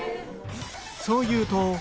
そう言うと